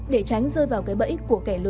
để tránh rơi vào kế hoạch